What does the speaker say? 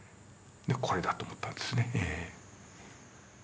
これだと思ったんですねええ。